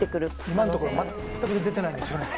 今のところまったく出てないんですよね。